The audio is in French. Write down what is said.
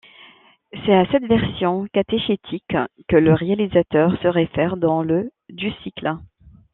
C'est à cette version catéchétique que le réalisateur se réfère dans le du cycle.